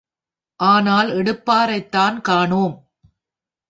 ஆனால், எடுப்பாரைத்தான் காணோம்.